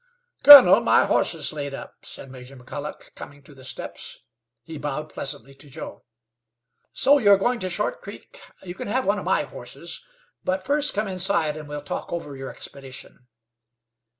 "Colonel, my horse is laid up," said Major McColloch, coming to the steps. He bowed pleasantly to Joe. "So you are going to Short Creek? You can have one of my horses; but first come inside and we'll talk over you expedition."